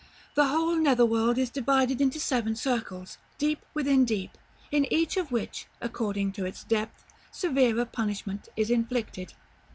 The whole nether world is divided into seven circles, deep within deep, in each of which, according to its depth, severer punishment is inflicted.